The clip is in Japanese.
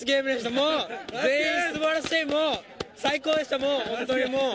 もう全員すばらしい、もう、最高でした、もう、本当にもう。